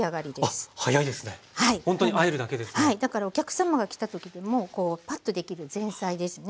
だからお客さまが来た時でもこうパッとできる前菜ですね